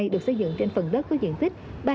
được xây dựng trên phần đất có diện tích